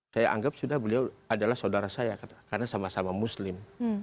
saya anggap sudah beliau adalah saudara saya karena sama sama muslim